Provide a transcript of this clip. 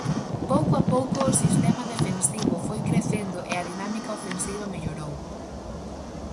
Pouco a pouco o sistema defensivo foi crecendo e a dinámica ofensiva mellorou.